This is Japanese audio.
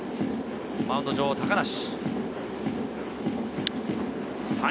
マウンド上、高梨。